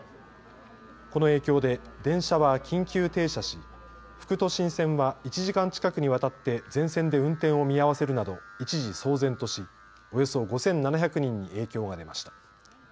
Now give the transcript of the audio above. この影響で電車は緊急停車し副都心線は１時間近くにわたって全線で運転を見合わせるなど一時、騒然としおよそ５７００人に影響が出ました。